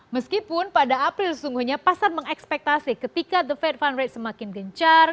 meskipun pada april sesungguhnya pasar mengekspektasi ketika the fed fund rate semakin gencar